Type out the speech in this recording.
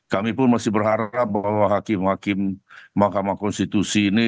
kami pun masih berharap bahwa hakim hakim mahkamah konstitusi ini